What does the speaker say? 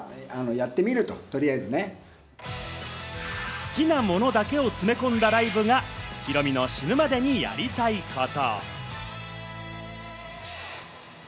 好きなものだけを詰め込んだライブが、ヒロミの死ぬまでにやりたいこと。